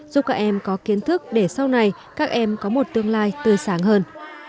giúp các em có kiến thức để sau này các em có một tương lai tươi sáng hơn